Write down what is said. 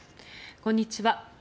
こんにちは。